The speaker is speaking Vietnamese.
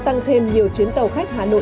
tăng thêm nhiều chuyến tàu khách hà nội